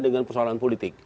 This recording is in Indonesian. dengan persoalan politik